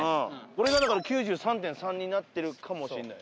これがだから９３．３になってるかもしんない。